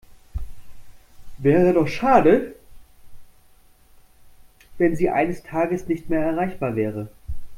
Wäre doch schade, wenn Sie eines Tages nicht mehr erreichbar wäre.